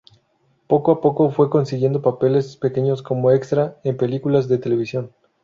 Poco a poco fue consiguiendo papeles pequeños como extra en películas de televisión.